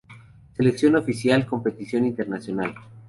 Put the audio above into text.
Selección Oficial Competición Internacional.